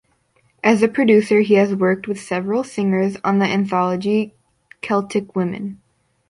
As a producer, he has worked with several singers on the anthology "Celtic Woman".